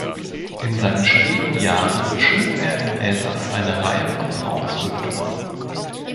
In seinen späten Jahren schuf er im Elsass eine Reihe von Frauen-Skulpturen.